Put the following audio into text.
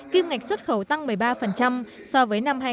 kiếm ngạch xuất khẩu tăng một mươi ba so với năm hai nghìn một mươi bảy